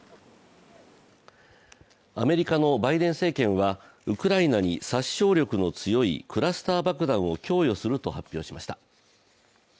アメリカのバイデン政権はウクライナに殺傷力の強いクラスター爆弾を供与すると発表しました。